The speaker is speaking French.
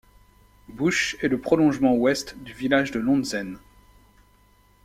Busch est le prolongement ouest du village de Lontzen.